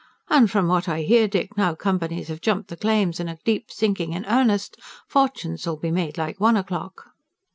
"And from what I hear, Dick, now companies have jumped the claims and are deep sinking in earnest, fortunes'll be made like one o'clock."